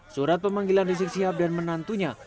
surat pemanggilan rizik sihab dan menantunya